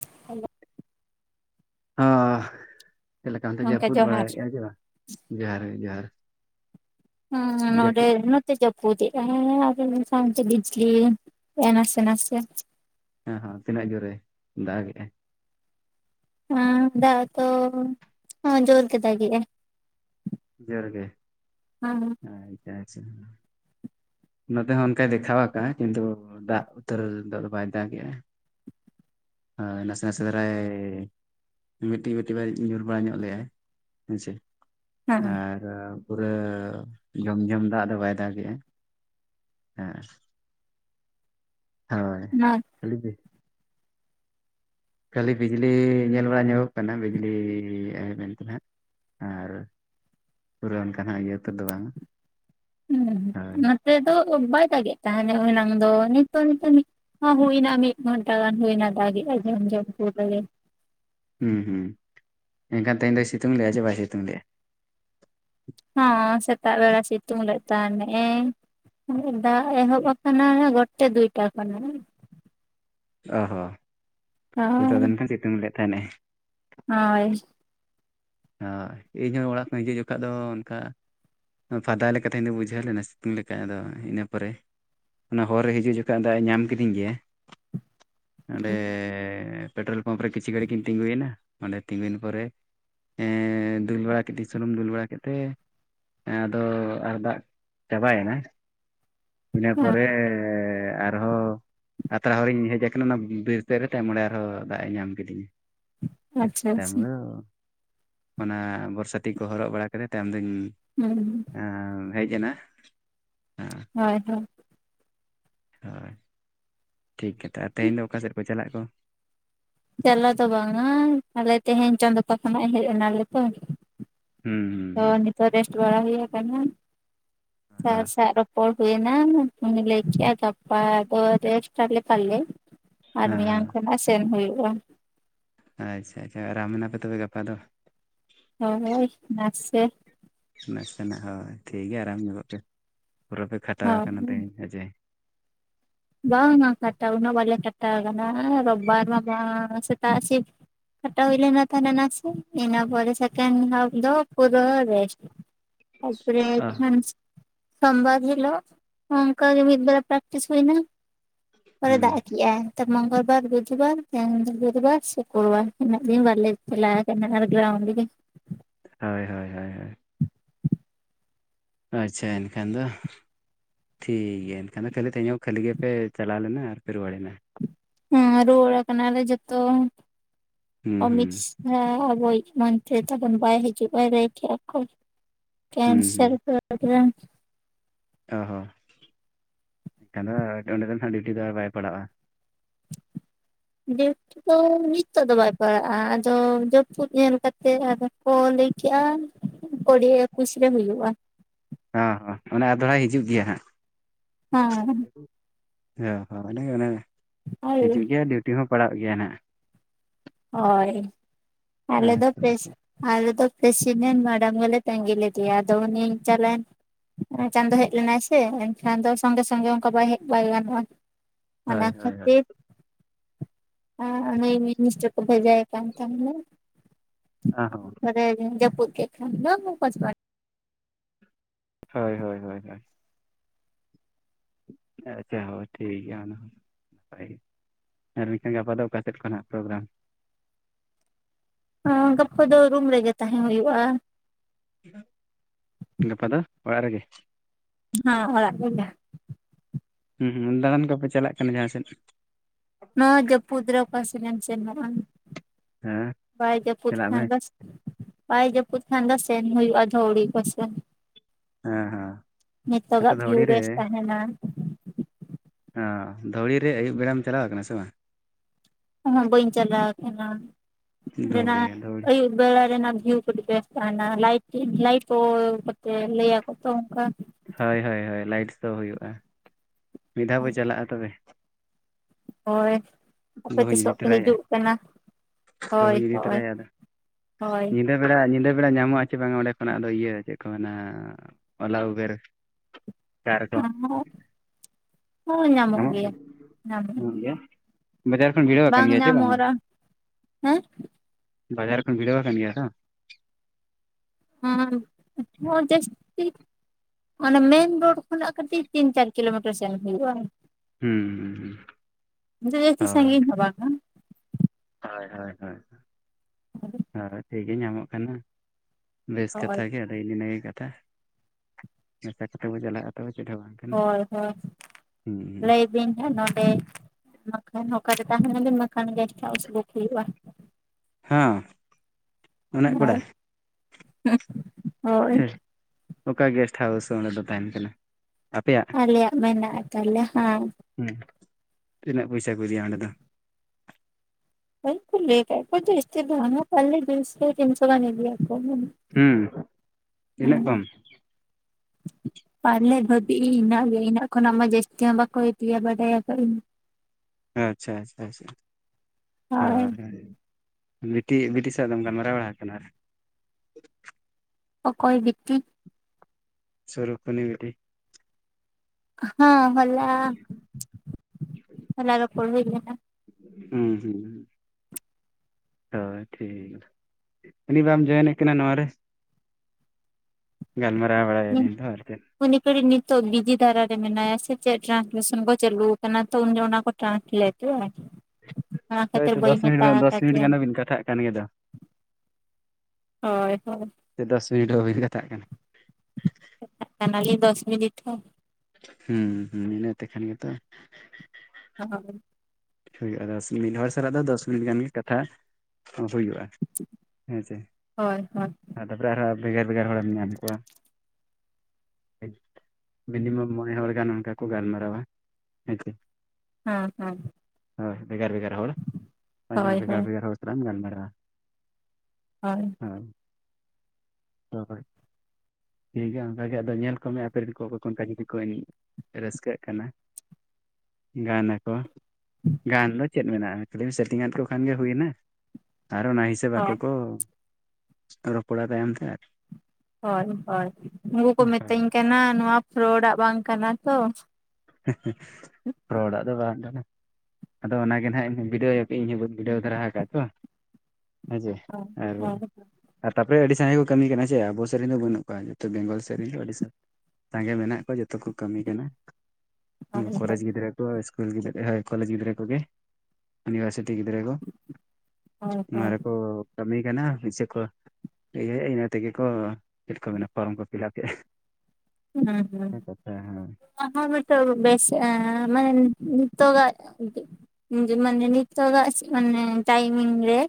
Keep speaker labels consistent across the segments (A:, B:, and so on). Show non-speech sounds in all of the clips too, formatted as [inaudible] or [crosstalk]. A: [unintelligible] ᱦᱮᱞᱳᱜ ᱾
B: ᱚ-ᱚᱦ, ᱪᱮᱫ ᱞᱮᱠᱟ
A: ᱜᱚᱝᱠᱮ
B: ᱡᱟᱹᱯᱩᱫ
A: ᱡᱚᱦᱟᱨ
B: ᱵᱟᱲᱟᱭᱮᱫᱼᱟ ᱥᱮ ᱵᱟᱝ ᱡᱚᱦᱟᱨ ᱜᱮ ᱡᱚᱦᱟᱨ ᱾
A: ᱦᱩᱸ ᱱᱚᱰᱮ ᱦᱤᱱᱳᱛ ᱾ ᱡᱟᱯᱩᱫ ᱮᱫᱟᱭ ᱟᱨ ᱤᱱᱟᱹᱥᱟᱸᱣᱛᱮ ᱵᱤᱡᱞᱤ ᱮ ᱱᱟᱥᱮ ᱱᱟᱥᱮ ᱾
B: ᱦᱮᱸ ᱦᱮᱸ ᱛᱤᱱᱟᱹᱜ ᱡᱳᱨᱮ ᱫᱟᱜᱮᱜᱼᱟ?
A: ᱟᱸ ᱫᱟᱜ ᱫᱚ ᱡᱳᱨᱜᱮ ᱫᱟᱜ ᱜᱮ ᱟᱭ ᱾
B: ᱡᱳᱨ ᱜᱮ,
A: ᱦᱚᱸ
B: ᱟᱪᱪᱷᱟ -ᱟᱪ-ᱪᱷᱟ ᱾ ᱱᱚᱛᱮ ᱦᱚᱸ ᱚᱱᱠᱟᱭ ᱫᱮᱠᱷᱟᱣ ᱟᱠᱟᱱᱟ ᱠᱤᱱᱛᱩ ᱫᱟᱜ ᱩᱛᱟᱹᱨᱨ ᱫᱚ ᱵᱟᱭ ᱫᱟᱜᱮᱜᱼᱟ ᱾ ᱱᱟᱥᱮᱹ ᱱᱟᱥᱮᱹ ᱫᱷᱟᱨᱟᱭᱭ ᱢᱤᱫᱴᱤᱡ ᱢᱮᱫᱴᱤᱡ ᱵᱟᱨᱤᱭ ᱧᱩᱨ ᱵᱟᱲᱟ ᱧᱚᱜ ᱞᱮᱜᱟᱭ ᱦᱮᱸᱥᱮ
A: ᱦᱚᱸ
B: ᱟᱨ ᱯᱩᱨᱟᱹ ᱡᱷᱚᱢ ᱡᱷᱚᱢ ᱫᱟᱜ ᱫᱚ ᱵᱟᱭ ᱫᱟᱜᱮᱜᱼᱟ ᱟᱨ ᱦᱳᱭ,
A: ᱱᱚ
B: ᱠᱷᱟᱹᱞᱤ ᱜᱮ ᱠᱷᱟᱹᱞᱤ ᱵᱤᱡᱽᱞᱤ ᱧᱮᱞ ᱢᱟ ᱧᱮᱞᱚᱜ ᱠᱟᱱᱟ ᱵᱤᱡᱽᱞᱤ ᱮᱜ ᱟᱭ ᱢᱮᱱᱛᱮ ᱱᱟᱜ ᱟᱨ ᱯᱩᱨᱟᱹᱚᱱᱠᱟ ᱱᱟᱜ ᱤᱭᱟᱹ ᱛᱮᱫᱚ ᱵᱟᱝᱼᱟ ᱾
A: ᱦᱩᱸ ᱱᱚᱛᱮ ᱫᱚ ᱵᱟᱭ ᱫᱟᱜᱮᱛ ᱛᱟᱦᱮᱱᱮ ᱮᱱᱟᱝ ᱫᱚ ᱱᱤᱛᱚ ᱱᱤᱛᱳ ᱱᱤᱡ ᱦᱚᱸ ᱦᱩᱭ ᱱᱟ ᱢᱤᱫ ᱜᱷᱚᱱᱴᱟ. ᱜᱟᱱ ᱦᱩᱭᱱᱟ ᱫᱟᱜ ᱮᱫᱟᱭ ᱡᱷᱚᱢ ᱡᱷᱚᱢ ᱡᱳᱨ ᱛᱮᱜᱮ ᱾
B: ᱦᱩᱸ ᱦᱩᱸ ᱢᱮᱱᱠᱷᱟᱱ ᱛᱮᱹᱦᱮᱹᱧ ᱫᱚ ᱥᱤᱛᱩᱝ ᱞᱮᱜᱟᱭ ᱪᱮ ᱵᱟᱭ ᱥᱤᱛᱩᱝ ᱞᱮᱜ ᱟ?
A: ᱦᱚᱸ ᱥᱮᱛᱟᱜ ᱵᱮᱲᱟ ᱥᱤᱛᱩᱝ ᱞᱮᱫ ᱛᱟᱦᱮ ᱱᱮᱜ ᱮ ᱫᱟᱜ ᱮᱦᱚᱵ ᱟᱠᱟᱱᱟ ᱜᱚᱴ-ᱴᱮ ᱫᱩᱭᱴᱟ ᱠᱷᱚᱱᱟᱜ ᱾
B: ᱚ -ᱦᱚ ᱱᱤᱛᱚᱜ
A: ᱦᱳᱭ
B: ᱢᱮᱱᱠᱷᱟᱱᱮ ᱥᱤᱛᱩᱝ ᱞᱮᱫ ᱛᱟᱦᱮᱱᱮ ᱾
A: ᱦᱳᱻᱭ ᱾
B: ᱚᱭ ᱤᱧᱦᱚᱸ ᱚᱲᱟᱜ ᱠᱷᱚᱱ ᱦᱤᱡᱩᱜ ᱡᱚᱠᱷᱟ ᱫᱚ ᱚᱱᱠᱟᱼᱼ ᱯᱷᱟᱫᱟ ᱞᱮᱠᱟ ᱛᱮᱹᱦᱮᱹᱧ ᱫᱚ ᱵᱩᱡᱷᱟᱹᱣ ᱞᱮᱱᱟ ᱥᱤᱛᱩᱝ ᱞᱮᱠᱟ ᱟᱫᱚ ᱤᱱᱟᱹ ᱯᱚᱨᱮᱼᱼ ᱚᱱᱟ ᱦᱚᱨ ᱨᱮ ᱦᱤᱡᱩᱜ ᱡᱚᱠᱷᱚᱱ ᱫᱟᱜ ᱮ ᱧᱟᱢ ᱠᱤᱫᱤᱧ ᱜᱮᱭᱟ ᱚᱸᱰᱮᱻ ᱯᱮᱴᱨᱳᱞ ᱯᱟᱢᱯ ᱨᱮ ᱠᱤᱪᱷᱩ ᱜᱷᱟᱹᱲ ᱠᱤᱱ ᱛᱤᱸᱜᱩᱭᱱᱟ ᱚᱸᱰᱮ ᱛᱤᱸᱜᱩᱭᱮᱱ ᱯᱚᱨᱮ ᱮᱸ ᱫᱩᱞ ᱵᱟᱲᱟ ᱠᱤᱴᱤᱡ ᱥᱩᱱᱩᱢ ᱫᱩᱞ ᱵᱟᱲᱟ ᱠᱮᱛᱮ ᱮᱸ ᱟᱫᱚ ᱟᱨ ᱫᱟᱜ ᱪᱟᱵᱟᱭᱮᱱᱟ? ᱤᱱᱟᱹ
A: ᱟᱪᱪᱷᱟ
B: ᱯᱚᱨᱮᱻ ᱟᱨᱦᱚ ᱟᱛᱲᱟ ᱦᱚᱨᱤᱧ ᱦᱮᱡ ᱟᱠᱟᱱᱟ ᱚᱱᱟ ᱵᱤᱨ ᱥᱮᱛ ᱨᱮ ᱛᱟᱭᱚᱢ ᱚᱸᱲᱮ ᱟᱨᱦᱚᱸ ᱫᱟᱜ ᱮ ᱧᱟᱢ ᱠᱤᱫᱤᱧᱟ ᱾
A: ᱟᱪᱪᱷᱟ
B: ᱛᱟᱭᱚᱢ ᱫᱚ ᱚᱱᱟ ᱵᱚᱨᱥᱟᱛᱤ ᱠᱚ ᱦᱚᱨᱚᱜ ᱵᱟᱲᱟ ᱠᱟᱛᱮᱫ ᱛᱟᱭᱚᱢ ᱫᱩᱧ
A: ᱦᱩᱸ ᱾
B: ᱮᱻᱢ ᱦᱮᱡ ᱮᱱᱟ, ᱟᱸ ᱾
A: ᱦᱚᱭ -ᱦᱚᱭ ᱾
B: ᱦᱚᱭ, ᱴᱷᱤᱠ ᱜᱮᱭᱟᱛᱚ ᱛᱮᱹᱦᱮᱹᱧ ᱫᱚ ᱚᱠᱟ ᱥᱮᱫ ᱠᱚ ᱪᱟᱞᱟᱜ ᱠᱚ?
A: ᱪᱚᱞᱚ ᱫᱚ ᱵᱟᱝᱟ ᱟᱞᱮ ᱛᱮᱹᱦᱮᱹᱧ ᱪᱟᱸᱫ ᱚ ᱠᱚ ᱠᱷᱚᱱᱟᱜ ᱦᱮᱡ ᱮᱱᱟᱞᱮ ᱛᱚ ᱾
B: ᱦᱩᱸ -ᱦᱩᱸ -ᱦᱩᱸ ᱾
A: ᱛ ᱨᱮᱹᱥᱴ ᱵᱟᱲᱟ ᱦᱩᱭ-ᱭᱟ ᱠᱟᱱᱟ, ᱥᱟᱨ
B: ᱦᱮᱸ
A: ᱥᱟᱨᱚ ᱯᱚᱲ ᱦᱩᱭᱱᱟ ᱩᱱᱤ ᱞᱟᱹᱭ ᱠᱮᱜ ᱟᱭ ᱜᱟᱯᱟ ᱫᱚ ᱨᱮᱹᱥᱴ ᱞᱮᱠᱟ ᱞᱮ ᱟᱨ ᱢᱮᱭᱟᱝ
B: ᱦᱮᱸ
A: ᱠᱷᱚᱱᱟᱜ ᱥᱮᱱ ᱦᱩᱭᱩᱜᱼᱟ ᱾
B: ᱟᱪᱷᱟ -ᱟᱪᱷᱟ, ᱟᱨᱟᱢᱮᱱᱟᱯᱮ ᱛᱚᱵᱮ ᱜᱟᱯᱟ ᱫᱚ ᱾
A: ᱦᱳᱭ-ᱦᱳᱭ, ᱱᱟᱮ ᱾
B: ᱱᱟᱥᱮᱱᱟᱜ ᱦᱳᱭ ᱴᱷᱤᱠ ᱜᱮᱭᱟ, ᱟᱨᱟᱢ ᱧᱚᱜᱚᱜ ᱯᱮ ᱯᱩᱨᱟᱹ ᱯᱮ ᱠᱷᱟᱴᱟᱣ
A: ᱦᱳᱭ
B: ᱠᱟᱱᱟ ᱛᱮᱹᱦᱤᱧ ᱦᱮ ᱡᱮ ᱾
A: ᱵᱟᱝ ᱵᱟᱝ ᱠᱟᱴᱟᱣᱱᱟ ᱵᱚᱞᱮ ᱠᱟᱴᱟᱣ ᱠᱟᱱᱟ ᱠᱟᱱᱟ ᱨᱵᱟ ᱨᱵᱟ ᱥᱤᱛᱟᱜ ᱥᱮᱜ ᱠᱷᱴᱟ ᱦᱩᱭ ᱞᱮᱱᱟ ᱛᱟᱦᱚᱞᱮ ᱱᱟᱥᱮ ᱤᱱᱟᱹ ᱯᱚᱨᱮ ᱥᱮᱠᱮᱱᱰ ᱫᱚ ᱯᱩᱨᱟᱹ ᱨᱤᱥᱴ [unintelligible] ᱥᱳᱢᱵᱟᱨ ᱦᱤᱞᱟᱜ ᱚᱝᱠᱟ ᱜᱤ ᱢᱤᱫ ᱵᱮᱲᱟ ᱯᱨᱮᱠᱴᱤᱥ ᱦᱩᱭᱱᱟ ᱟᱨᱚ
B: ᱦᱩᱸ
A: ᱫᱟᱜ ᱠᱮᱫᱟᱭ ᱢᱚᱝᱜᱚᱞ ᱵᱟᱨ ᱵᱩᱫᱵᱟᱨ ᱮᱱ ᱵᱩᱫᱵᱟᱨ ᱥᱩᱠᱨᱵᱟᱨ, ᱠᱱᱟ ᱫᱤᱱ ᱵᱟᱨᱞᱤᱟᱨ ᱠᱷᱮᱞᱟ ᱟᱠᱟᱫ ᱡᱽᱟᱲᱜᱨᱟᱢ ᱨᱤᱜᱤ
B: ᱦᱳᱭ ᱦᱳᱭ ᱦᱳᱭᱳ ᱟᱪᱷᱟ ᱮᱱᱠᱷᱟᱱ ᱫᱚ ᱴᱷᱤᱠ ᱜᱮᱭᱟ ᱮᱱᱠᱷᱟᱱ ᱫᱚ ᱠᱷᱟᱹᱞᱤ ᱛᱮᱦᱧᱚᱜ ᱠᱷᱟᱹᱞᱤ ᱜᱮᱯᱮ ᱪᱟᱞᱟᱣ ᱞᱮᱱᱟ ᱟᱨ ᱯᱮ ᱨᱩᱣᱟᱹᱲᱮᱱᱟ
A: ᱦᱮ ᱨᱩᱣᱟᱹᱲ ᱠᱟᱱᱟᱞᱮ ᱡᱚᱛᱚ
B: ᱦᱩᱸ ᱦᱩᱸ
A: ᱚᱢᱤᱠᱥ ᱦᱮᱸ ᱟᱵᱩᱭᱤᱡ ᱢᱚᱱᱛᱨᱤ ᱛᱟᱵᱚᱱ ᱵᱟᱭ ᱦᱤᱡᱩᱜ ᱟ ᱞᱟᱭ ᱠᱮᱛ-ᱟ ᱠᱩ
B: ᱦᱩᱸ ᱦᱩᱸ
A: ᱠᱮᱱᱥᱟᱨ ᱯᱨᱚᱜᱨᱟᱢ
B: ᱚ ᱦᱚᱸ ᱮᱱᱠᱷᱟᱱ ᱫᱚ ᱚᱸᱰᱮ ᱫᱚ ᱱᱟᱦᱜ ᱰᱤᱭᱩᱴᱤ ᱫᱚ ᱵᱟᱭ ᱯᱟᱲᱟᱜᱼᱟ
A: ᱰᱮᱣᱴᱤᱜ ᱟᱫᱚ ᱱᱤᱛᱚᱜ ᱫᱚ ᱵᱟᱭ ᱯᱟᱲᱟᱜᱼᱟ ᱟᱫᱚ ᱡᱟᱹᱯᱩᱫ ᱧᱮᱞ ᱠᱟᱛᱮᱫ ᱟᱫᱚ ᱠᱚ ᱞᱟᱹᱭ ᱠᱮᱫᱼᱟ ᱠᱩᱲᱤ ᱮᱠᱩᱥ ᱨᱮ ᱦᱩᱭᱩᱜᱼᱟ
B: ᱚ ᱦᱚᱸᱮᱸ ᱚᱱᱟ ᱟᱨ ᱫᱚᱲᱟᱭ ᱦᱤᱡᱩᱜ ᱜᱮᱭᱟ ᱦᱟᱸᱜ
A: ᱦᱮᱸ
B: ᱚ ᱦᱚᱸ ᱚᱱᱮ ᱚᱱᱮ ᱦᱤᱡᱩᱜ ᱜᱮᱭᱟ ᱤᱭᱩᱴᱤ ᱦᱚᱸ ᱯᱟᱲᱟᱜ ᱜᱮᱭᱟ ᱱᱟᱦᱟᱜ
A: ᱦᱳᱭ ᱟᱞᱮ ᱫᱚ
B: ᱟᱪᱪᱷᱟ
A: ᱯᱮᱥ
B: ᱟᱪᱪᱷᱟ
A: ᱼᱼ ᱟᱞᱮ ᱫᱚ ᱯᱤᱥᱤ ᱯᱮᱥᱤᱰᱮᱱᱴ ᱢᱮᱰᱟᱢ ᱦᱚᱸᱞᱮ ᱛᱟᱸᱜᱤᱞᱤᱫᱤᱭᱟ ᱟᱫᱚ ᱩᱱᱤ ᱪᱟᱞᱟᱱ ᱪᱟᱸᱫᱚ ᱦᱮᱡ ᱞᱮᱱᱟᱭ ᱥᱮ ᱮᱱᱠᱷᱟᱱ ᱫᱚ ᱥᱚᱸᱜᱮ ᱥᱚᱝᱜᱮ ᱚᱱᱠᱟ ᱵᱟᱭ ᱦᱮᱡ ᱵᱟᱭ ᱜᱟᱱᱚᱜᱼᱟ ᱚᱱᱟ
B: ᱦᱳᱭ ᱦᱳᱭ ᱦᱳᱭ
A: ᱠᱷᱟᱹᱛᱤᱨ ᱟᱸ ᱩᱱᱤ ᱢᱤᱱᱤᱥᱴᱮᱴ ᱵᱷᱮᱡᱟᱭ ᱠᱟᱱ ᱛᱟᱦᱮᱱ ᱞᱮ
B: ᱦᱮᱸ ᱦᱚᱸ
A: [inaudible] ᱡᱟᱹᱯᱩᱫ ᱠᱮᱫ ᱠᱷᱟᱱ ᱫᱚ ᱯᱚᱡᱯᱚᱱ
B: ᱦᱳᱭ ᱦᱳᱭ ᱦᱳᱭ᱾ ᱟᱪᱷᱟ ᱟᱪᱷᱟ, ᱦᱳᱭ, ᱴᱷᱤᱠ ᱜᱮᱭᱟ ᱚᱱᱟ ᱦᱚᱸ ᱾ ᱦᱳᱭ ᱟᱨ ᱢᱮᱱᱠᱷᱟᱱ ᱜᱟᱯᱟ ᱫᱚ ᱚᱠᱟ ᱥᱮᱫ ᱠᱷᱚᱱ ᱦᱟᱸᱜ ᱯᱨᱳᱜᱨᱟᱢ?
A: ᱮ ᱜᱟᱯᱚ ᱫᱚ ᱨᱩᱢ ᱨᱮᱜᱮ ᱛᱟᱦᱮᱸ ᱦᱩᱭᱩᱜᱼᱟ ᱾
B: ᱜᱟᱯᱟ ᱫᱚ ᱚᱲᱟᱜ ᱨᱮ ᱜᱮ?
A: ᱦᱮᱸ, ᱚᱲᱟᱜ ᱨᱮ ᱜᱮ ᱾
B: ᱦᱩᱸ ᱦᱩᱸ, ᱫᱟᱬᱟᱱ ᱠᱚᱯᱮ ᱪᱟᱞᱟᱜ ᱠᱟᱱᱟ ᱡᱟᱦᱟᱸ ᱥᱮᱫ?
A: ᱱᱚᱣᱟ ᱡᱟᱹᱯᱩᱫ ᱨᱮ ᱚᱠᱟ ᱥᱮᱱᱮᱢ ᱥᱮᱱᱚᱜᱼᱟ,
B: ᱦᱮᱸ
A: ᱵᱟᱭ ᱡᱟᱹᱯᱩᱫ
B: ᱪᱟᱞᱟᱜ ᱢᱮ
A: ᱠᱷᱟᱱ ᱫᱚ ᱵᱟᱭ ᱡᱟᱹᱯᱩᱫ ᱠᱷᱟᱱ ᱫᱚ ᱥᱮᱱ ᱦᱩᱭᱩᱜᱼᱟ ᱫᱷᱟᱹᱣᱲᱤ ᱠᱚ ᱥᱮᱱ ᱾
B: ᱦᱮᱸ ᱦᱮᱸ
A: ᱱᱤᱛᱚᱜᱟ
B: ᱟᱪᱪᱷᱟ
A: ᱵᱷᱤᱭᱩ
B: ᱫᱷᱟᱹᱣᱲᱤ ᱨᱮ
A: ᱵᱮᱥ ᱛᱟᱦᱮᱱᱟ ᱾
B: ᱚ, ᱫᱷᱟᱹᱣᱲᱤ ᱨᱮ ᱟᱹᱭᱩᱵ ᱵᱮᱲᱟᱢ ᱪᱟᱞᱟᱣ ᱠᱟᱱᱟ ᱥᱮ ᱵᱟᱝ?
A: ᱦᱚᱸ ᱵᱟᱹᱧ ᱪᱟᱞᱟᱣ ᱟᱠᱟᱱᱟ
B: ᱫᱷᱟᱹᱣᱲᱤ
A: ᱚᱸᱰᱮᱱᱟᱜ
B: ᱫᱷᱟᱹᱣᱲᱤ
A: ᱟᱹᱭᱩᱵ ᱾ ᱵᱮᱲᱟ ᱨᱮᱱᱟᱜ ᱵᱷᱤᱭᱩ ᱠᱚ ᱵᱮᱥ ᱛᱟᱦᱮᱱᱟ ᱞᱟᱭᱤᱴ ᱞᱟᱭᱤᱴ ᱠᱟᱛᱮ ᱞᱟᱹᱭ ᱟᱠᱚ ᱛᱚ ᱚᱱᱠᱟ ᱾
B: ᱦᱳᱭ ᱦᱳᱭ, ᱦᱳᱭ ᱞᱟᱭᱤᱴ ᱫᱚ ᱦᱩᱭᱩᱜᱼᱟ, ᱢᱤᱫ ᱫᱷᱟᱹᱣ ᱵᱚ ᱪᱟᱞᱟᱜᱼᱟ ᱛᱚᱵᱮ᱾
A: ᱦᱳᱭ ᱾ ᱟᱯᱮ
B: ᱵᱟᱹᱦᱩᱧ ᱤᱫᱤ
A: ᱛᱤᱥᱚᱜ ᱯᱮ
B: ᱛᱚᱨᱟᱭᱟ
A: ᱦᱤᱡᱩᱜ ᱠᱟᱱᱟ? ᱦᱳᱭ
B: ᱵᱟᱹᱦᱩᱧ ᱤᱫᱤ
A: ᱦᱳᱭ
B: ᱛᱚᱨᱟᱭᱟ ᱟᱫᱚ
A: ᱦᱳᱭ ᱾
B: ᱧᱤᱫᱟᱹ ᱵᱮᱲᱟ ᱧᱤᱫᱟᱹ ᱵᱮᱲᱟ ᱧᱟᱢᱚᱜ ᱟᱥᱮ ᱵᱟᱝᱟ ᱚᱸᱰᱮ ᱠᱷᱚᱱᱟᱜ ᱟᱫᱚ ᱤᱭᱟᱹ ᱪᱮᱫ ᱠᱚ ᱢᱮᱱᱟ ᱚᱞᱟ ᱩᱵᱮᱨ? ᱠᱟᱨ ᱠᱚ
A: [unintelligible] ᱦᱳᱭ ᱧᱟᱢᱚᱜ ᱜᱮᱭᱟ, ᱧᱟᱢ ᱜᱮ
B: ᱧᱟᱢᱚᱜ ᱜᱮᱭᱟ ᱵᱟᱡᱟᱨ ᱠᱷᱚᱱ ᱵᱷᱤᱲᱟᱹᱣ
A: ᱾
B: ᱟᱠᱟᱱ
A: ᱵᱟᱝ
B: ᱜᱮᱭᱟ ᱪᱮ
A: ᱧᱟᱢᱚᱜᱼᱟ ᱾ ᱦᱮᱸ ᱾
B: ᱵᱟᱡᱟᱨ ᱠᱷᱚᱱ ᱵᱷᱤᱲᱟᱹᱣᱟ ᱟᱠᱟᱱ ᱜᱮᱭᱟ ᱛᱚ?
A: ᱦᱟᱸᱱ [unintelligible] ᱡᱟᱹᱥᱛᱤ ᱚᱱᱮ ᱢᱮᱱ ᱨᱚᱰ ᱠᱷᱚᱱᱟᱜ ᱠᱟᱹᱴᱤᱡ ᱛᱤᱱ ᱪᱟᱨ ᱠᱤᱞᱚᱢᱤᱴᱟᱹᱨ ᱥᱮᱱ ᱦᱩᱭᱩᱜᱼᱟ ᱾
B: ᱦᱩᱸ ᱦᱩᱸ ᱦᱩᱸ ᱾
A: ᱡᱮ ᱡᱟᱹᱥᱛᱤ ᱥᱟᱺᱜᱤᱧ ᱦᱚᱸ ᱵᱟᱝᱟ ᱾
B: ᱦᱚᱭ ᱦᱚᱭ ᱦᱚᱭ ᱦᱚᱭ ᱾ ᱦᱚᱭ ᱴᱷᱤᱠ ᱜᱮ ᱧᱟᱢᱚᱜ ᱠᱟᱱᱟ ᱵᱮᱥ
A: ᱦᱳᱭ
B: ᱠᱟᱛᱷᱟ ᱜᱮ ᱟᱰᱤ ᱱᱤᱱᱟᱹᱜᱮ ᱠᱟᱛᱷᱟ, ᱢᱮᱥᱟ ᱠᱟᱛᱮ ᱵᱚ ᱪᱟᱞᱟᱜᱼᱟ ᱛᱚ ᱪᱮᱫ ᱦᱚᱸ ᱵᱟᱝ ᱾
A: ᱦᱚᱭ ᱦᱚᱭ, ᱞᱟᱹᱭ ᱵᱤᱱ ᱦᱟᱸᱜ ᱱᱚᱰᱮ ᱢᱟᱠᱷᱟᱱ ᱚᱠᱟ ᱨᱮ ᱛᱟᱦᱮᱸᱱᱟ ᱵᱤᱱ ᱢᱟᱠᱷᱟᱱ ᱜᱮᱥᱴ ᱦᱟᱣᱩᱥ ᱵᱩᱠ ᱦᱩᱭᱩᱜᱼᱟ ᱾
B: ᱦᱚᱸ ᱾
A: ᱦᱚᱭ, ᱦᱩᱸᱜ-ᱩᱸ ᱾
B: ᱚᱠᱟ ᱜᱮᱥᱴ ᱦᱟᱣᱩᱥ ᱚᱸᱰᱮ ᱫᱚ ᱛᱟᱦᱮᱸᱱ ᱠᱟᱱᱟ ᱟᱯᱮᱭᱟᱜ?
A: ᱟᱞᱮᱭᱟᱜ ᱢᱮᱱᱟᱜ ᱛᱟᱞᱮ, ᱦᱟ ᱾
B: ᱦᱩᱸ, ᱛᱤᱱᱟᱹᱜ ᱯᱚᱭᱥᱟᱹ ᱠᱚ ᱤᱫᱤᱭᱟ ᱚᱸᱰᱮ ᱫᱚ?
A: ᱦᱚᱭ, ᱞᱟᱹᱭ ᱠᱟᱜ ᱠᱚᱭ ᱪᱚ ᱡᱟᱹᱥᱛᱤ ᱫᱚ ᱵᱟᱝᱟ ᱫᱩᱭᱥᱚ ᱛᱤᱱ ᱥᱚ ᱜᱟᱱ ᱤᱫᱤᱭᱟ ᱠᱚ ᱾
B: ᱦᱩᱸ, ᱤᱱᱟᱹᱜ ᱠᱚᱢ?
A: [inaudible] ᱯᱟᱞᱮᱜ ᱵᱷᱟᱵᱤ ᱤᱧ ᱤᱱᱟᱹᱜᱮ ᱤᱱᱟᱜ ᱠᱷᱚᱱ ᱢᱟ ᱡᱟᱸᱥᱛᱤ ᱦᱚᱸ ᱵᱟᱠᱚ ᱤᱫᱤᱭᱟ ᱵᱟᱰᱟᱭ ᱭᱟᱠᱟᱜ ᱟᱹᱧ ᱾
B: ᱟᱪᱪᱷᱟ ᱟᱪᱪᱷᱟ ᱟᱪᱪᱷᱟ,
A: ᱦᱳᱭ
B: ᱦᱚᱭ, ᱦᱚᱭ ᱾ ᱵᱤᱴᱤ ᱵᱤᱴᱤ ᱥᱟᱜ ᱫᱚᱢ ᱜᱟᱞᱢᱟᱨᱟᱣ ᱵᱟᱲᱟ ᱟᱠᱟᱱᱟ ᱟᱨ
A: ᱚᱠᱚᱭ ᱵᱤᱴᱤ?
B: ᱥᱚᱨᱩᱠᱩᱱᱤ ᱵᱤᱴᱤ ᱾
A: ᱦᱚᱸ, ᱦᱚᱞᱟ ᱦᱚᱞᱟ ᱨᱚᱯᱚᱲ ᱦᱩᱭ ᱞᱮᱱᱟ ᱾
B: ᱦᱩᱸ ᱦᱩᱸ ᱦᱩᱸ᱾ ᱦᱚᱭ, ᱴᱷᱤᱠ ᱾ ᱩᱱᱤ ᱵᱟᱢ ᱡᱚᱭᱮᱱᱮ ᱠᱟᱱᱟ ᱱᱚᱣᱟ ᱨᱮ? ᱜᱟᱞᱢᱟᱨᱟ ᱵᱟᱲᱟ ᱟᱹᱵᱤᱱ ᱫᱚ ᱟᱨ ᱪᱮᱫ ᱾
A: ᱩᱱᱤ ᱠᱩᱲᱤ ᱱᱤᱛᱚᱜ ᱵᱤᱡᱤ ᱫᱷᱟᱨᱟ ᱨᱮ ᱢᱮᱱᱟᱭᱟ ᱥᱮ ᱪᱮᱫ ᱴᱨᱟᱱᱥᱞᱮᱥᱚᱱ ᱠᱚ ᱪᱟᱹᱞᱩ ᱟᱠᱟᱱᱟ ᱛᱚ ᱩᱱᱤ ᱚᱱᱟ ᱠᱚ ᱴᱨᱟᱴᱞᱮᱴᱮ ᱟᱭ ᱾ ᱚᱱᱟ ᱠᱷᱟᱛᱤᱨ
B: ᱦᱳᱭᱛᱚ
A: ᱵᱟᱹᱧ
B: ᱫᱚᱥ ᱢᱤᱱᱤᱴ
A: ᱢᱮᱛᱟ
B: ᱫᱚᱥ
A: ᱟᱠᱟ
B: ᱢᱤᱱᱤᱴ
A: ᱫᱮᱭᱟ
B: ᱜᱟᱱ
A: ᱾
B: ᱦᱚᱸᱵᱤᱱ ᱠᱟᱛᱷᱟᱜ ᱠᱟᱱ ᱜᱮ ᱫᱚ
A: ᱦᱚᱭ ᱦᱚᱭ ᱾
B: ᱛᱮ ᱫᱚᱥ ᱢᱤᱱᱤᱴ ᱦᱚᱸ ᱵᱟᱱᱤᱱ ᱠᱟᱛᱷᱟᱜ ᱠᱟᱱᱟ ᱾
A: ᱠᱟᱱᱟᱞᱤᱧ ᱫᱚ [unintelligible] ᱦᱚᱸ
B: ᱦᱩᱸ ᱦᱩᱸ ᱤᱱᱟᱹ ᱛᱮᱠᱷᱟᱱ ᱜᱮᱛᱚ ᱾
A: ᱦᱚᱭ ᱾
B: ᱦᱩᱭᱩᱜᱼᱟ ᱫᱚᱥ, ᱢᱤᱫ ᱦᱚᱲ ᱥᱟᱞᱟᱜ ᱫᱚ ᱫᱚᱥ ᱢᱤᱱᱤᱴ ᱜᱟᱱ ᱜᱮ ᱠᱟᱛᱷᱟ ᱦᱚᱸ ᱦᱩᱭᱩᱜᱼᱟ᱾ ᱦᱮᱸᱥᱮ
A: ᱦᱳᱭ ᱦᱮᱸ
B: ᱟᱨ ᱛᱟᱨ ᱯᱚᱨᱮ ᱟᱨᱦᱚᱸ ᱵᱷᱮᱜᱟᱨ ᱵᱷᱮᱜᱟᱨ ᱦᱚᱲᱮᱢ ᱧᱟᱢ ᱠᱚᱣᱟ ᱾ ᱢᱤᱱᱤᱢᱟᱹᱢ ᱢᱚᱬᱮ ᱦᱚᱲ ᱜᱟᱱ ᱚᱱᱠᱟ ᱠᱚ ᱜᱟᱞᱢᱟᱨᱟᱣᱟ ᱦᱮᱸ ᱪᱮ᱾
A: ᱦᱚᱸ ᱦᱚᱸ ᱾
B: ᱦᱚᱭ ᱵᱷᱮᱜᱟᱨ ᱵᱷᱮᱜᱟᱨ ᱦᱚᱲ
A: ᱦᱳᱭ
B: ᱵᱷᱮᱜᱟᱨ
A: ᱦᱳᱭ
B: ᱵᱷᱮᱜᱟᱨ ᱦᱚᱲ ᱥᱟᱞᱟᱜ ᱮᱢ ᱜᱟᱞᱢᱟᱨᱟᱣᱟ ᱾
A: ᱦᱚᱭ ᱾
B: ᱦᱚᱭ ᱴᱷᱤᱠ ᱜᱮᱭᱟ ᱚᱱᱠᱟᱜᱮ ᱟᱫᱚ ᱧᱮᱞ ᱠᱚᱢᱮ ᱟᱯᱮ ᱨᱤᱱ ᱠᱚ ᱚᱠᱚᱭ ᱠᱚ ᱚᱱᱠᱟ ᱡᱩᱫᱤ ᱠᱚ ᱨᱟᱹᱥᱠᱟᱹᱜ ᱠᱟᱱᱟ ᱜᱟᱱᱟᱠᱚ ᱜᱟᱱ ᱫᱚ ᱪᱮᱫ ᱢᱮᱱᱟᱜᱼᱟ ᱯᱤᱞᱤᱢ ᱥᱤᱴᱤᱝ ᱧᱟᱫ ᱠᱚ ᱠᱷᱟᱱ ᱜᱮ ᱦᱩᱭᱮᱱᱟ ᱟᱨ ᱚᱱᱟ ᱦᱤᱸᱥ ᱵᱟᱠᱚ
A: ᱦᱳᱭ
B: ᱠᱚ, ᱨᱚᱯᱚᱲᱟ ᱛᱟᱭᱚᱢ ᱛᱮ ᱟᱨ
A: ᱦᱚᱭ ᱦᱚᱭ ᱩᱱᱠᱩ ᱠᱚ ᱢᱤᱛᱟᱹᱧ ᱠᱟᱱᱟ ᱱᱚᱣᱟ ᱯᱷᱨᱚᱰᱟᱜ ᱵᱟᱝ ᱠᱟᱱᱟ ᱛᱚ ᱾
B: [unintelligible] ᱯᱨᱚᱰᱟᱜ ᱫᱚ ᱵᱟᱝ ᱠᱟᱱᱟ ᱟᱫᱚ ᱚᱱᱟ ᱜᱮ ᱦᱟᱸᱜ ᱤᱧ ᱵᱤᱰᱟᱹᱣ ᱟᱯᱮ ᱤᱧ ᱵᱟᱹᱧ ᱵᱤᱰᱟᱹᱣ ᱫᱷᱟᱨᱟ ᱟᱠᱟᱫ ᱛᱚ ᱦᱮᱸ ᱥᱮ
A: ᱦᱳᱭ
B: ᱟᱨᱼᱼ
A: ᱦᱳᱭ
B: ᱟᱨ ᱛᱟᱯᱚᱨᱮ ᱟᱹᱰᱤ ᱥᱟᱸᱜᱮ ᱠᱚ ᱠᱟᱹᱢᱤ ᱠᱟᱱᱟ ᱦᱮᱸ ᱪᱮ ᱟᱵᱚ ᱥᱮᱫ ᱨᱮᱱ ᱫᱚ ᱵᱟᱹᱱᱩᱜ ᱠᱚᱣᱟ ᱡᱚᱛᱚ ᱵᱮᱝᱜᱚᱞ ᱥᱮᱫ ᱨᱮᱱ ᱫᱚ ᱟᱹᱰᱤ ᱥᱟᱜ ᱥᱟᱸᱜᱮ ᱢᱮᱱᱟᱜ ᱠᱚᱣᱟ ᱡᱷᱚᱛᱚ ᱠᱚ ᱠᱟᱹᱢᱤ ᱠᱟᱱᱟ ᱩᱱᱠᱩ
A: ᱦᱳᱭ
B: ᱠᱚᱞᱮᱡᱽ ᱜᱤᱫᱽᱨᱟᱹ ᱠᱚ ᱠᱚ ᱤᱥᱠᱩᱞ ᱜᱤᱫᱽᱨᱟᱹ ᱦᱳᱭ ᱠᱚᱞᱮᱡᱽ ᱜᱤᱫᱽᱨᱟᱹ ᱠᱚ ᱜᱮ ᱤᱭᱩᱱᱤᱵᱷᱟᱨᱥᱤᱴᱤ ᱜᱤᱫᱽᱨᱟᱹ ᱠᱚ
A: ᱦᱳᱭ ᱦᱳᱭ
B: ᱱᱚᱣᱟ ᱜᱮᱠᱚ ᱠᱟᱹᱢᱤ ᱠᱟᱱᱟ ᱥᱮ ᱠᱚᱼᱼ [unintelligible] ᱤᱱᱟᱹ ᱛᱮᱜᱮ ᱠᱚ ᱪᱮᱫ ᱠᱚ ᱢᱮᱱᱟ ᱯᱷᱚᱨᱚᱢ ᱠᱚ ᱯᱷᱤᱞᱟᱯ ᱮᱜᱼᱟ
A: ᱦᱩᱸ ᱦᱩᱸ [unintelligible] ᱦᱚᱸ ᱢᱤᱫ ᱴᱟᱝ ᱵᱮᱥ ᱢᱟᱱᱮ ᱱᱤᱛᱚᱜᱟᱜ [unintelligible] ᱡᱮ ᱢᱟᱱᱮ ᱱᱤᱛᱚᱜᱟᱜ ᱢᱟᱱᱮ ᱴᱟᱭᱢᱤᱝ ᱨᱮ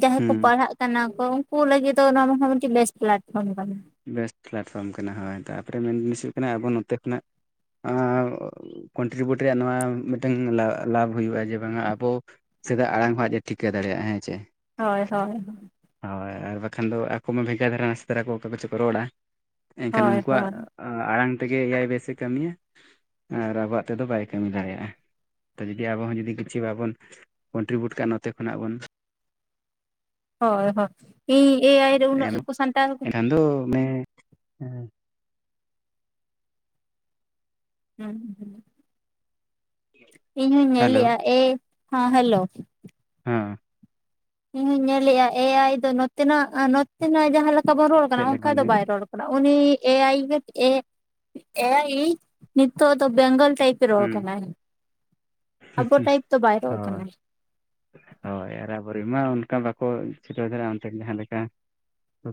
A: ᱡᱟᱦᱟᱸᱭ ᱠᱚ
B: ᱦᱮᱸ
A: ᱯᱟᱲᱦᱟᱜ ᱠᱟᱱᱟ ᱠᱚ ᱩᱱᱠᱩ ᱞᱟᱹᱜᱤᱫ ᱫᱚ ᱱᱚᱣᱟ ᱫᱚ ᱢᱤᱫᱴᱮᱱ ᱵᱮᱥᱴ ᱯᱞᱟᱴᱯᱷᱚᱨᱚᱢ ᱠᱟᱱᱟ
B: ᱵᱮᱥᱴ ᱯᱞᱟᱴᱯᱷᱨᱚᱢ ᱠᱟᱱᱟ ᱦᱳᱭ ᱛᱟᱯᱚᱨᱮ ᱢᱮᱱ ᱡᱤᱱᱤᱥ ᱦᱩᱭᱩᱜ ᱠᱟᱱᱟ ᱟᱵᱚ ᱱᱚᱛᱮ ᱠᱷᱚᱱᱟᱜ ᱠᱚᱱᱴᱨᱤᱵᱤᱭᱩᱴ ᱨᱮᱭᱟᱜ ᱱᱚᱣᱟ ᱢᱤᱫᱴᱮᱱ ᱞᱟᱵᱷ ᱞᱟᱵᱷ ᱦᱩᱭᱩᱜᱼᱟ ᱡᱮ ᱵᱟᱝᱟ ᱟᱵᱚ ᱥᱮᱫᱟᱜ ᱟᱲᱟᱝ ᱦᱚᱸ ᱟᱡ ᱮ ᱴᱷᱤᱠᱟᱹ ᱫᱟᱲᱮᱭᱟᱜᱼᱟ ᱦᱮᱸ ᱪᱮ
A: ᱦᱳᱭ ᱦᱳᱭ
B: ᱦᱳᱭ ᱟᱨ ᱵᱟᱠᱷᱟᱱ ᱫᱚ ᱟᱠᱚ ᱢᱟ ᱵᱷᱮᱜᱟᱨ ᱫᱷᱟᱨᱟ ᱱᱟᱥᱮ ᱫᱷᱟᱨᱟ ᱠᱚ ᱚᱠᱟ ᱠᱚᱪᱚ ᱠᱚ ᱨᱚᱲᱟ ᱮᱱ ᱠᱷᱟᱱ
A: ᱦᱳᱭ
B: ᱩᱱᱠᱩᱣᱟᱜ
A: ᱦᱳᱭ
B: ᱟᱲᱟᱝ ᱛᱮᱜᱮ ᱮᱭᱟᱭ ᱵᱮᱥ ᱮ ᱠᱟᱹᱢᱤᱭᱟ ᱟᱨ ᱟᱵᱚᱣᱟᱜ ᱛᱮᱫᱚ ᱵᱟᱭ ᱠᱟᱹᱢᱤ ᱫᱟᱲᱮᱭᱟᱜᱼᱟ ᱛᱚ ᱡᱩᱫᱤ ᱟᱵᱚ ᱦᱚᱸ ᱡᱩᱫᱤ ᱠᱤᱪᱷᱩ ᱵᱟᱵᱚᱱ ᱠᱚᱱᱴᱨᱤᱵᱤᱭᱩᱴ ᱠᱟᱜ ᱱᱚᱛᱮ ᱠᱷᱚᱱᱟᱜ ᱵᱚᱱ
A: ᱦᱳᱭ ᱦᱳ ᱤᱧ ᱮ ᱟᱭ ᱨᱮ ᱩᱱᱟᱹᱜ ᱥᱟᱱᱛᱟᱲ [unintelligible]
B: ᱟᱫᱚ ᱢᱮ ᱦᱮᱸ
A: ᱦᱩᱸ ᱦᱩᱸ ᱤᱧ ᱦᱩᱧ ᱧᱮᱞ
B: ᱦᱮᱞᱳ
A: ᱞᱮᱭᱟ ᱮ ᱦᱚᱸ ᱦᱮᱞᱳ
B: ᱦᱮᱸ
A: ᱤᱧ ᱤᱧ ᱧᱮᱞᱮᱜᱼᱟ ᱮ ᱟᱭ ᱫᱚ ᱱᱚᱛᱮᱱᱟᱜ ᱱᱚᱛᱮᱱᱟᱜ ᱡᱟᱦᱟᱸ ᱞᱮᱠᱟ ᱵᱚᱱ ᱨᱚᱲ
B: ᱪᱮᱫ
A: ᱠᱟᱱᱟ
B: ᱞᱮᱠᱟ
A: ᱚᱱᱠᱟ
B: ᱞᱟᱹᱭ
A: ᱫᱚ
B: ᱢᱮ?
A: ᱵᱟᱭ ᱨᱚᱲᱼᱼ ᱩᱱᱤ ᱮ ᱟᱭ ᱮ ᱟᱭ ᱤ ᱱᱤᱛᱚᱜ ᱫᱚ ᱵᱮᱝᱜᱚᱞ ᱴᱟᱭᱤᱯ ᱨᱚᱲ
B: ᱦᱩᱸ
A: ᱠᱟᱱᱟᱭ ᱟᱵᱚ ᱴᱟᱭᱤᱯ ᱫᱚ ᱵᱟᱭ ᱨᱚᱲ
B: ᱦᱳᱭ
A: ᱠᱟᱱᱟ
B: ᱦᱳᱭ ᱟᱨ ᱟᱵᱚ ᱨᱮᱱ ᱢᱟ ᱚᱱᱠᱟ ᱵᱟᱠᱚ ᱪᱷᱩᱴᱟᱹᱣ ᱫᱟᱲᱮᱭᱟᱜᱼᱟ ᱚᱱᱛᱮᱱ ᱡᱟᱦᱟᱸ ᱞᱮᱠᱟ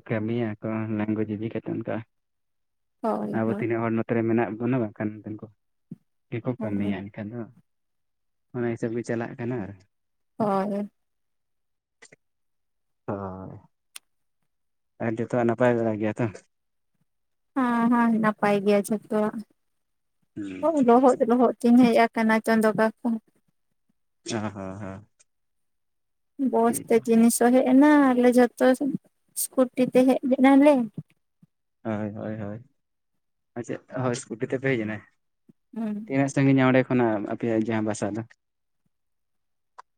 B: ᱠᱟᱹᱢᱤᱭᱟ ᱟᱠᱚ ᱞᱮᱝᱜᱩᱭᱮᱡ ᱤᱫᱤ ᱠᱟᱛᱮ ᱚᱱᱠᱟ
A: ᱦᱳᱭ
B: ᱟᱵᱚ
A: ᱦᱳᱭ
B: ᱛᱤᱱᱟᱹᱜ ᱦᱚᱲ ᱱᱚᱛᱮ ᱨᱮ ᱢᱮᱱᱟᱜ ᱵᱚᱱᱟ ᱵᱟᱝ ᱠᱷᱟᱱ ᱚᱱᱛᱮ ᱠᱚ ᱠᱟᱹᱢᱤᱭᱟ ᱮᱱᱠᱷᱟᱱ ᱫᱚ ᱚᱱᱟ ᱦᱤᱥᱟᱹᱵ ᱜᱮ ᱪᱟᱞᱟᱜ ᱠᱟᱱᱟ ᱟᱨᱼᱼ
A: ᱦᱳᱭ ᱦᱳᱭ
B: [unintelligible] ᱟᱨ ᱡᱚᱛᱚᱣᱟᱜ ᱱᱟᱯᱟᱭ ᱵᱟᱲᱟ ᱜᱮᱭᱟ ᱛᱚ
A: ᱦᱮᱸ ᱦᱮᱸ ᱱᱟᱯᱟᱭ ᱜᱮᱭᱟ ᱡᱚᱛᱚᱭᱟᱜ
B: ᱦᱚᱸ
A: ᱞᱚᱦᱚᱫ ᱞᱚᱦᱚᱫᱼᱼ ᱛᱤᱧ ᱦᱮᱡ ᱟᱠᱟᱱᱟ ᱪᱚᱱᱫᱚ ᱠᱟᱠᱩ
B: [unintelligible] ᱦᱮᱸ ᱦᱮᱸ
A: ᱵᱚᱥ ᱛᱮ ᱡᱤᱱᱤᱥ ᱦᱚᱸ ᱦᱮᱡ ᱮᱱᱟ ᱟᱞᱮ ᱡᱚᱛᱚ ᱥᱠᱩᱴᱤ ᱛᱮ ᱦᱮᱡ ᱞᱮᱱᱟ ᱞᱮ
B: ᱦᱳᱭ ᱦᱳᱭ ᱦᱳᱭ ᱟᱪᱷᱟ ᱦᱳᱭ ᱥᱠᱩᱴᱤ ᱛᱮᱯᱮ ᱦᱮᱡ ᱮᱱᱟ
A: ᱦᱩᱸ
B: ᱛᱤᱱᱟᱹᱜ ᱥᱟᱺᱜᱤᱧ ᱟ ᱚᱸᱰᱮ ᱠᱷᱚᱱᱟᱜ ᱟᱯᱮᱭᱟᱜ ᱡᱟᱦᱟᱸ ᱵᱟᱥᱟ ᱫᱚ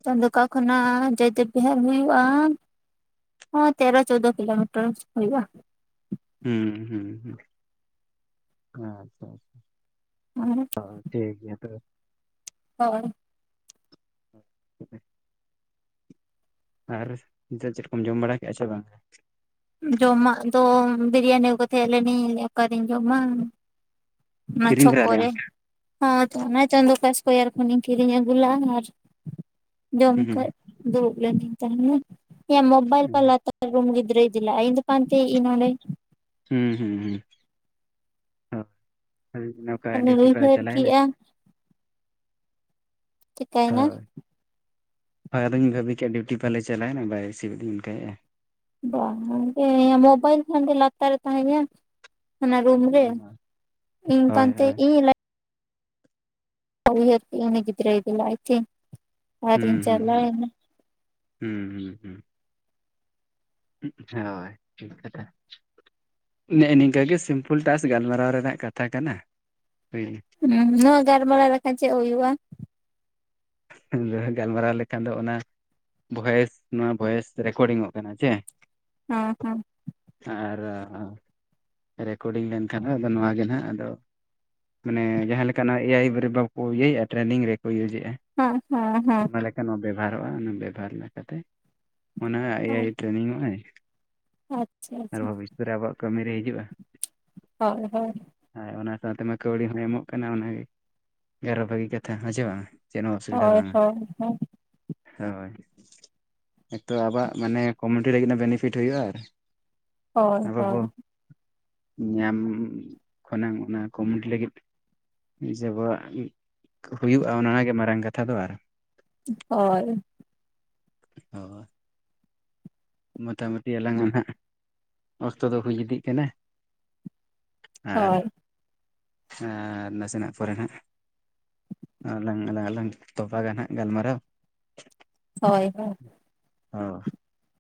A: [unintelligible] ᱠᱷᱚᱱᱟᱜ ᱡᱚᱭᱫᱮᱵ ᱵᱤᱦᱟᱨ ᱦᱩᱭᱩᱜᱼᱟ ᱚ ᱛᱮᱨᱚ ᱪᱳᱣᱫᱚ ᱠᱤᱞᱳᱢᱤᱴᱚᱨ ᱦᱩᱭᱩᱜᱼᱟ
B: ᱦᱩᱸ ᱦᱩᱸ ᱦᱩᱸ ᱟᱪᱪᱷᱟ ᱟᱪᱪᱷᱟᱼᱼ
A: ᱢᱟᱸᱦᱟ ᱨᱮ
B: ᱦᱚ ᱴᱷᱤᱠ ᱜᱮᱭᱟ ᱛᱚ᱾
A: ᱦᱳᱭ᱾
B: [inaudible] ᱟᱨ ᱱᱤᱛᱚᱜ ᱪᱮᱫ ᱠᱚᱢ ᱡᱚᱢ ᱵᱟᱲᱟ ᱠᱮᱫᱼᱟ ᱪᱮ ᱵᱟᱝ ᱜᱮ?
A: ᱡᱚᱢᱟᱜ ᱫᱚ ᱵᱤᱨᱤᱭᱟᱱᱤ ᱟᱹᱜᱩ ᱠᱟᱛᱮᱜ ᱦᱮᱡ ᱞᱮᱱᱟᱹᱧ, ᱚᱠᱟᱨᱤᱧ ᱡᱚᱢᱟ? ᱚᱱᱟ
B: ᱠᱤᱨᱤᱧ
A: ᱪᱷᱚᱠ
B: ᱫᱟᱨᱟ
A: ᱠᱚᱨᱮ᱾
B: ᱞᱮᱫᱟᱢ
A: ᱦᱚᱸᱜᱼᱚᱭ ᱛᱚ ᱚᱱᱟ ᱪᱟᱸᱫᱚᱠᱟ ᱥᱠᱚᱭᱮᱨ ᱠᱷᱚᱱᱤᱧ ᱠᱤᱨᱤᱧ ᱟᱹᱜᱩ ᱞᱮᱜᱼᱟ ᱟᱨ ᱡᱚᱢ
B: ᱦᱩᱸ
A: ᱠᱮᱫ ᱫᱩᱲᱩ ᱞᱮᱱᱟᱹᱧ ᱛᱟᱦᱮᱱᱟᱹᱧ, ᱢᱳᱵᱟᱭᱤᱞ
B: ᱦᱩᱸ
A: [unintelligible] ᱨᱩᱢ ᱜᱤᱫᱽᱨᱟᱹᱭ ᱤᱫᱤ ᱞᱮᱜᱼᱟ ᱤᱧ ᱫᱚ ᱯᱟᱱᱛᱮᱭᱮᱜ ᱟᱹᱧ ᱱᱚᱸᱰᱮ᱾
B: ᱦᱩᱸ ᱦᱩᱸ ᱦᱩᱸ ᱚ ᱱᱚᱝᱠᱟ
A: ᱟᱫᱚᱧ
B: ᱰᱤᱭᱩᱴᱤ ᱯᱟᱞᱮ
A: ᱩᱭᱦᱟᱹᱨ
B: ᱪᱟᱞᱟᱣᱮᱱᱟ᱾
A: ᱠᱮᱜᱼᱟ ᱪᱮᱠᱟᱭᱮᱱᱟ
B: ᱦᱳᱭ ᱦᱳᱭ ᱟᱫᱚᱧ ᱵᱷᱟᱹᱵᱤ ᱠᱮᱫᱼᱟ ᱰᱤᱭᱩᱴᱤ ᱯᱟᱞᱮ ᱪᱟᱞᱟᱣᱮᱱᱟᱭ, ᱵᱟᱭ ᱨᱤᱥᱤᱵᱷᱮᱫ ᱫᱚ ᱟᱫᱚᱧ ᱚᱱᱠᱟᱭᱮᱫᱼᱟ᱾
A: ᱵᱟᱝ ᱜᱮ ᱢᱳᱵᱟᱭᱤᱞ ᱯᱷᱚᱱ ᱜᱮ ᱞᱟᱛᱟᱨ ᱨᱮ ᱛᱟᱦᱮᱸᱜᱼᱟ ᱾ ᱚᱱᱟ ᱨᱩᱢ ᱨᱮ, ᱤᱧ
B: ᱦᱳᱭ
A: ᱯᱟᱱᱛᱮᱭᱮᱜ
B: ᱦᱳᱭ
A: ᱤᱧ ᱛᱚ ᱩᱭᱦᱟᱹᱨ ᱠᱮᱜᱼᱟᱹᱧ ᱩᱱᱩ ᱜᱤᱫᱽᱨᱟᱹᱭ ᱤᱫᱤ ᱞᱮᱜᱼᱟ ᱛᱤᱧ᱾ ᱟᱨᱤᱧ
B: ᱦᱩᱸ ᱦᱩᱸ ᱦᱩᱸ,
A: ᱪᱟᱞᱟᱣᱮᱱᱟ
B: ᱦᱩᱸ ᱦᱩᱸ ᱦᱩᱸ᱾ ᱩᱸᱜ ᱦᱳᱭ ᱴᱷᱤᱠ ᱠᱟᱛᱷᱟ᱾ ᱱᱮᱜᱼᱮ ᱱᱤᱝᱠᱟᱹ ᱜᱮ ᱥᱤᱢᱯᱩᱞ ᱴᱟᱥ ᱜᱟᱞᱢᱟᱨᱟᱣ ᱨᱮᱱᱟᱜ ᱠᱟᱛᱷᱟ ᱠᱟᱱᱟ ᱦᱩᱭ᱾
A: ᱦᱩᱸ ᱱᱚᱶᱟ ᱜᱟᱞᱢᱟᱨᱟᱣ ᱞᱮᱠᱷᱟᱱ ᱪᱮᱫ ᱦᱳᱭᱳᱜᱼᱟ?
B: ᱟᱫᱚ ᱜᱟᱞᱢᱟᱨᱟᱣ ᱞᱮᱠᱷᱟᱱ ᱫᱚ ᱚᱱᱟ ᱵᱷᱚᱭᱮᱥ ᱱᱚᱶᱟ ᱵᱷᱚᱭᱮᱥ ᱨᱮᱠᱚᱨᱰᱤᱝᱼᱚᱜ ᱠᱟᱱᱟ ᱡᱮ᱾
A: ᱚᱸ ᱦᱚᱸ᱾
B: ᱟᱨ ᱨᱮᱠᱚᱨᱰᱤᱝ ᱞᱮᱱᱠᱷᱟᱱ ᱟᱫᱚ ᱱᱚᱣᱟ ᱜᱮ ᱦᱟᱸᱜ ᱟᱫᱚ ᱢᱟᱱᱮ ᱡᱟᱦᱟᱸ ᱞᱮᱠᱟᱱᱟᱜ ᱮᱭᱟᱭ ᱨᱮ ᱵᱟᱠᱚ ᱤᱭᱟᱹᱭᱮᱫᱼᱟ ᱴᱨᱮᱱᱤᱝ ᱨᱮᱠᱚ ᱤᱭᱩᱡᱮᱜᱼᱟ ᱾
A: ᱚ ᱦᱚᱸ ᱦᱚᱸ᱾
B: ᱞᱮᱠᱟᱱᱟᱜ ᱵᱮᱵᱷᱟᱨᱚᱜᱼᱟ, ᱚᱱᱟ ᱵᱮᱵᱚᱦᱟᱨ ᱞᱮᱠᱟᱛᱮ ᱚᱱᱟ ᱮᱭᱟᱭ ᱴᱨᱮᱱᱤᱝ ᱚᱜᱼᱟᱭ᱾
A: ᱟᱪᱪᱷᱟ ᱟᱪᱪᱷᱟ᱾
B: ᱯᱚᱨᱮ ᱟᱵᱚᱣᱟᱜ ᱠᱟᱹᱢᱤ ᱨᱮ ᱦᱤᱡᱩᱜᱼᱟ᱾
A: ᱦᱚᱭ ᱦᱚᱭ᱾
B: ᱦᱮᱸ ᱚᱱᱟ ᱥᱟᱶᱛᱮ ᱢᱟ ᱠᱟᱹᱣᱰᱤ ᱦᱚᱸᱭ ᱮᱢᱚᱜ ᱠᱟᱱᱟ ᱚᱱᱟᱜᱮ, ᱟᱨᱚ ᱵᱷᱟᱹᱜᱤ ᱠᱟᱛᱷᱟ ᱦᱮᱸ ᱪᱮ ᱵᱟᱝᱟ ᱪᱮᱫ ᱦᱚ ᱚᱥᱩᱵᱤᱫᱷᱟ
A: ᱦᱳᱭ
B: ᱵᱟᱝᱟ,
A: ᱦᱳᱭ ᱦᱳᱭ
B: ᱦᱳᱭ᱾ ᱮᱠᱛᱳ ᱟᱵᱚᱣᱟᱜ ᱢᱟᱱᱮ ᱠᱚᱢᱤᱭᱩᱱᱤᱴᱤ ᱞᱟᱹᱜᱤᱫ ᱵᱮᱱᱮᱯᱷᱤᱴ ᱦᱩᱭᱩᱜᱼᱟ᱾
A: ᱦᱳᱭ
B: ᱟᱵᱚ
A: ᱦᱳᱭ
B: ᱵᱚ ᱧᱟᱢ ᱠᱷᱚᱱᱟᱝ ᱚᱱᱟ ᱠᱚᱢᱤᱭᱩᱱᱤᱴᱤ ᱞᱟᱹᱜᱤᱫ ᱡᱮ ᱟᱵᱚᱣᱟᱜ ᱦᱩᱭᱩᱜᱼᱟ, ᱚᱱᱟᱜᱮ ᱢᱟᱨᱟᱝ ᱠᱟᱛᱷᱟ ᱫᱚ ᱟᱨ
A: ᱦᱚᱭ᱾
B: ᱦᱚ ᱾ ᱢᱚᱛᱟᱢᱩᱴᱤ ᱟᱞᱟᱝᱼᱟᱜ ᱦᱟᱸᱜ ᱚᱠᱛᱚ ᱫᱚ ᱦᱩᱭ ᱤᱫᱤᱜ ᱠᱟᱱᱟ᱾ ᱟᱨ
A: ᱦᱳᱭ
B: ᱟᱸᱻ ᱱᱟᱥᱮᱱᱟᱜ ᱯᱚᱨᱮ ᱦᱟᱸᱜ ᱟᱞᱟᱝ ᱟᱞᱟᱝ ᱛᱚᱯᱟᱜᱟ ᱱᱟᱦᱟᱜ ᱜᱟᱞᱢᱟᱨᱟᱣ ᱾
A: ᱦᱚᱭ ᱦᱚᱭ᱾
B: ᱦᱚ᱾